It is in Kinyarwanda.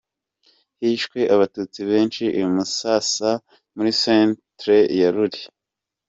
Hishwe Abatutsi benshi i Musasa muri Centre ya Ruli.